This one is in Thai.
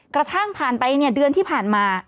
กระทั่งมันผ่านไปเดือนที่ผ่านมา